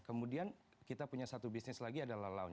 kemudian kita punya satu bisnis lagi adalah lounge